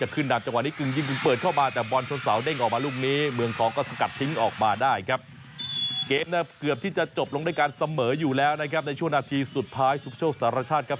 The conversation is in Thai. ก็เหมือนอยู่แล้วนะครับในช่วงนาทีสุดท้ายสุขโชคสารชาติครับ